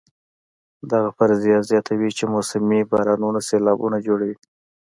دغه فرضیه زیاتوي چې موسمي بارانونه سېلابونه جوړوي.